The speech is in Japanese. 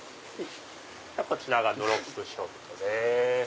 こちらがドロップショットです。